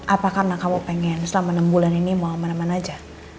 apa karena kamu pengen selama enam bulan ini mau kemana mana aja